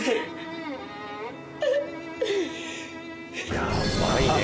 やばいね。